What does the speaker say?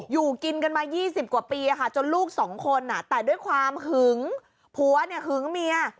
อยู่กินกันมา๒๐กว่าปีจนลูกสองคนแต่ด้วยความหึงผัวเนี่ยหึงเมีย